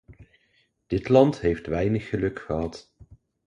Dit land heeft weinig geluk gehad.